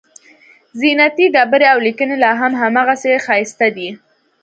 زینتي ډبرې او لیکنې لاهم هماغسې ښایسته دي.